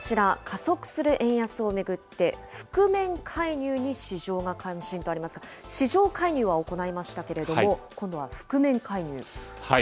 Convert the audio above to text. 加速する円安を巡って、覆面介入に市場が関心とありますが、市場介入は行いましたけれども、今度は覆面介入。